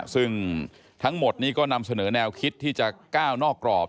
ซึ่งทั้งหมดนี้ก็นำเสนอแนวคิดที่จะก้าวนอกกรอบ